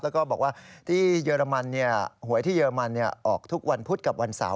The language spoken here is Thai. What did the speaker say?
แล้วก็บอกว่าที่เยอรมันหวยที่เรมันออกทุกวันพุธกับวันเสาร์